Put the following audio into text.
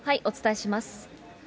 お伝えします。